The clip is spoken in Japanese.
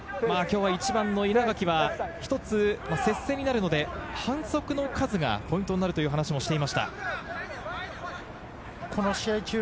１番の稲垣は一つ接戦になるので、反則の数がポイントになるという話もしていました。